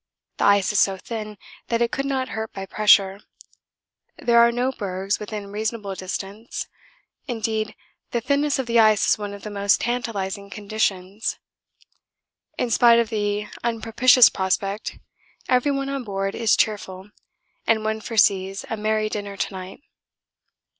The ice is so thin that it could not hurt by pressure there are no bergs within reasonable distance indeed the thinness of the ice is one of the most tantalising conditions. In spite of the unpropitious prospect everyone on board is cheerful and one foresees a merry dinner to night.